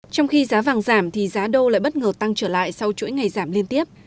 trong khi giá vàng giảm thì giá đô lại bất ngờ tăng trở lại sau chuỗi ngày giảm liên tiếp